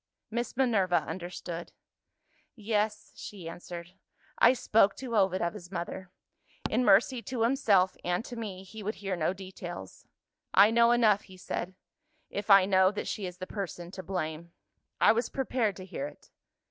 Miss Minerva understood. "Yes," she answered; "I spoke to Ovid of his mother. In mercy to himself and to me, he would hear no details. 'I know enough,' he said, 'if I know that she is the person to blame. I was prepared to hear it.